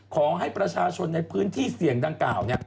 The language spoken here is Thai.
ขอให้ประชาชนในพื้นที่เสี่ยงดังกล่าว